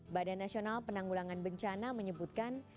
badan nasional penanggulangan bencana menyebutkan